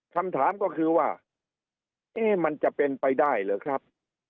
คำถามก็คือว่าเอ๊ะมันจะเป็นไปได้หรือครับ